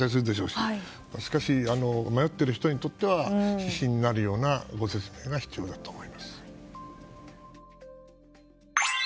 しかし、迷っている人にとっては指針になるようなご説明が必要だと思います。